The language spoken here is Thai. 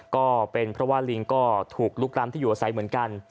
ก็เป็นเพราะว่าลิงก็ถูกลุกล้ำที่อยู่อาศัยเหมือนกัน